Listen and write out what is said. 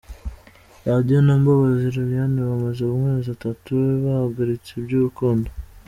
Radio na Mbabazi Lilian bamaze amezi atatu bahagaritse iby’urukundo.